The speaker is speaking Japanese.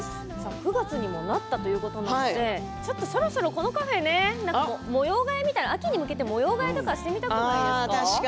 ９月にもなったということでちょっとそろそろカフェも模様替え、秋に向けて模様替えをしてみたくなりませんか？